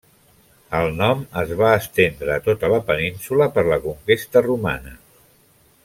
El nom es va estendre a tota la península per la conquesta romana.